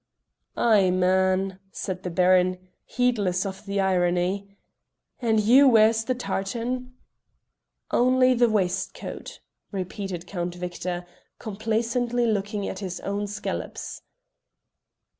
"Ay, man!" said the Baron, heedless of the irony, "and Hugh wears the tartan?" "Only in the waistcoat," repeated Count Victor, complacently looking at his own scallops.